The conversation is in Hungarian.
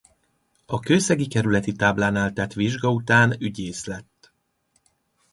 A kőszegi kerületi táblánál tett vizsga után ügyész lett.